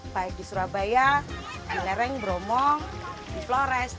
baik di surabaya di lereng bromong di flores